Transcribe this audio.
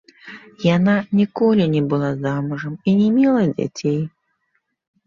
Яна ніколі не была замужам і не мела дзяцей.